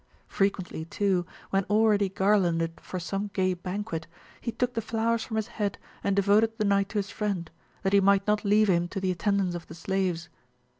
Frequently too, when already garlanded for some gay banquet, he took the flowers from his head and devoted the night to his friend, that he might not leave him to the attendance of the slaves.